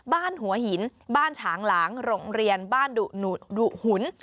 บ้านหัวหินบ้านฉางหลางโรงเรียนบ้านดุหุ่น